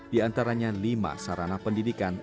di antaranya lima sarana pendidikan